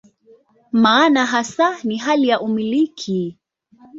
Maana hasa ni hali ya "umiliki".